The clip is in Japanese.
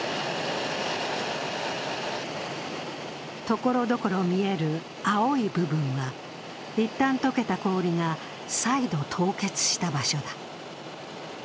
ところどころ見える青い部分は、いったん解けた氷が再度、凍結した場所だ。